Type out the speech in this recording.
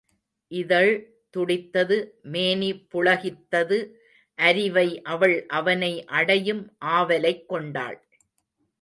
இதழ் துடித்தது மேனி புள கித்தது அரிவை அவள் அவனை அடையும் ஆவலைக் கொண்டாள்.